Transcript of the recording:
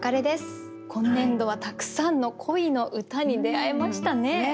今年度はたくさんの恋の歌に出会えましたね。